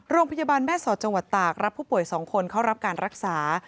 โรงพยาบาลแม่สอดจังหวัดตากรับผู้ป่วย๒คนเข้ารับการรักษา